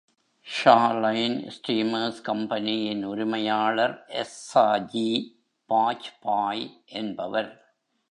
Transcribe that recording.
ஷாலைன் steamers கம்பெனியின் உரிமையாளர் எஸ்ஸாஜி பாஜ்பாய் என்பவர்.